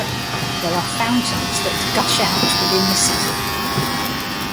There are fountains that gush out within the city.